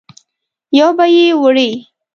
یو به یې وړې.